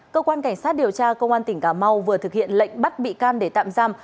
cơ quan cảnh sát điều tra công an tỉnh cà mau vừa thực hiện lệnh bắt bị can để tạm giam